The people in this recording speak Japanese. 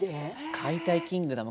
「解体キングダム」